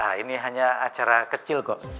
nah ini hanya acara kecil kok